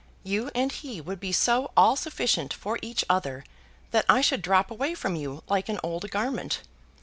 You and he would be so all sufficient for each other, that I should drop away from you like an old garment.